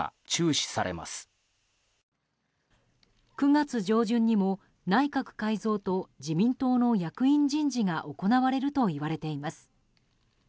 ９月上旬にも内閣改造と自民党の役員人事が行われるといわれています。